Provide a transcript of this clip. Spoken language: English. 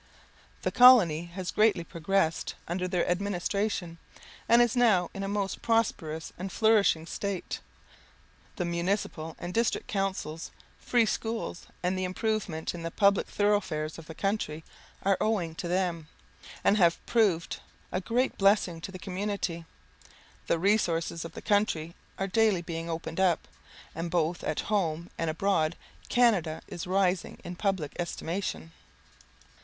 The colony has greatly progressed under their administration, and is now in a most prosperous and flourishing state. The municipal and district councils, free schools, and the improvement in the public thoroughfares of the country, are owing to them, and have proved a great blessing to the community. The resources of the country are daily being opened up, and both at home and abroad Canada is rising in public estimation.